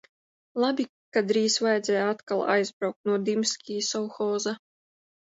Labi, ka drīz vajadzēja atkal aizbraukt no Dimskī sovhoza.